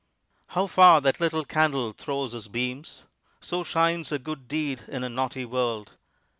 How far that little candle throws his beams! So shines a good deed in a naughty world.